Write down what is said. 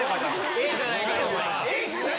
『ええじゃないか』とか。